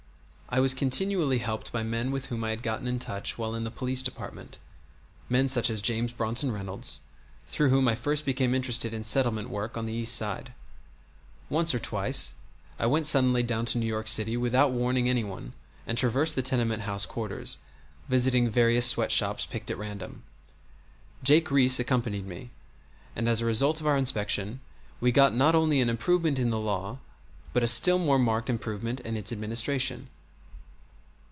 I was continually helped by men with whom I had gotten in touch while in the Police Department; men such as James Bronson Reynolds, through whom I first became interested in settlement work on the East Side. Once or twice I went suddenly down to New York City without warning any one and traversed the tenement house quarters, visiting various sweat shops picked at random. Jake Riis accompanied me; and as a result of our inspection we got not only an improvement in the law but a still more marked improvement in its administration.